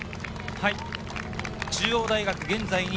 中央大学、現在２位。